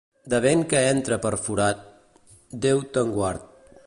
De vent que entra per forat, Déu te'n guard.